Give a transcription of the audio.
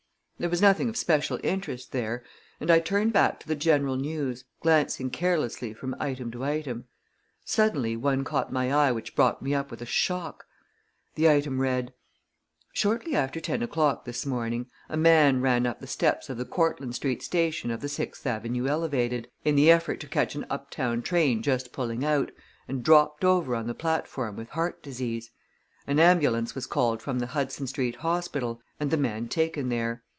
There was nothing of special interest there, and I turned back to the general news, glancing carelessly from item to item. Suddenly one caught my eye which brought me up with a shock. The item read: Shortly after ten o'clock this morning, a man ran up the steps of the Cortlandt Street station of the Sixth Avenue Elevated, in the effort to catch an uptown train just pulling out, and dropped over on the platform with heart disease. An ambulance was called from the Hudson Street Hospital and the man taken there.